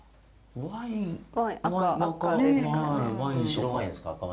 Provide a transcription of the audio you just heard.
赤ワインですか？